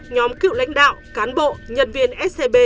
nhóm cựu lãnh đạo cán bộ nhân viên scb